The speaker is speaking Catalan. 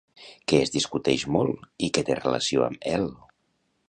Què es discuteix molt i que té relació amb Hel?